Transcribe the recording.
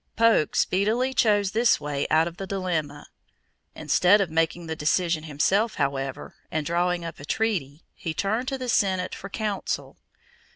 Polk speedily chose this way out of the dilemma. Instead of making the decision himself, however, and drawing up a treaty, he turned to the Senate for "counsel."